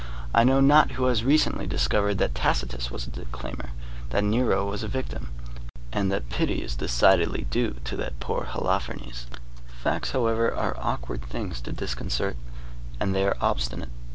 I know not who has recently discovered that Tacitus was a declaimer, that Nero was a victim, and that pity is decidedly due to "that poor Holofernes." Facts, however, are awkward things to disconcert, and they are obstinate.